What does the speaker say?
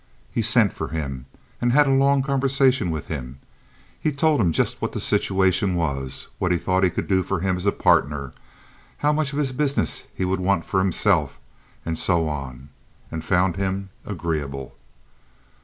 He sent for him and had a long conversation with him. He told him just what the situation was, what he thought he could do for him as a partner, how much of his business he would want for himself, and so on, and found him agreeable.